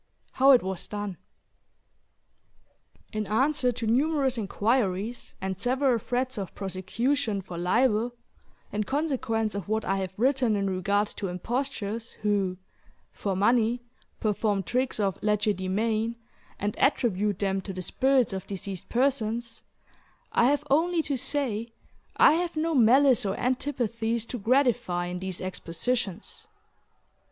HOW IT WAS DONE. In answer to numerous inquiries and several threats of prosecution for libel in consequence of what I have written in regard to impostors who (for money) perform tricks of legerdemain and attribute them to the spirits of deceased persons, I have only to say, I have no malice or antipathies to gratify in these expositions.